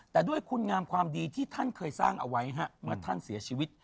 แต่ด้วยคุณงามความดีที่ท่านเคยสร้างเอาไว้เมื่อท่านเสียชีวิต